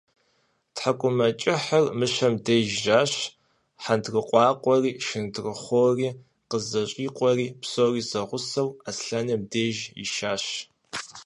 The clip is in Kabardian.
ТхьэкӀумэкӀыхьыр Мыщэм деж жащ, хьэндыркъуакъуэри, шындырхъуори къызэщӀикъуэри, псори зэгъусэу, Аслъэным деж ишащ.